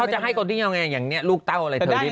เขาจะให้คนที่อย่างนี้ลูกเต้าอะไรเธอได้